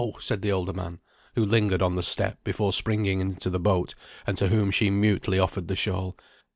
said the older man, who lingered on the step before springing into the boat, and to whom she mutely offered the shawl.